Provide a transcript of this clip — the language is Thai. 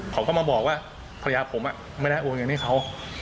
เขาก็มาบอกว่าภรรยาผมไม่ได้โอนเงินให้เขา